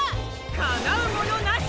かなうものなし！